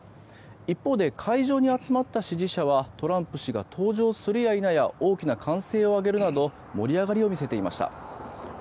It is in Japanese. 一方で会場に集まった支持者はトランプ氏が登場するやいなや大きな歓声を上げるなど盛り上がりを見せていました。